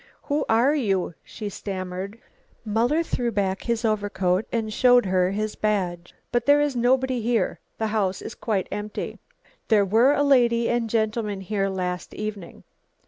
"Who are you?" she stammered. Muller threw back his overcoat and showed her his badge. "But there is nobody here, the house is quite empty." "There were a lady and gentleman here last evening."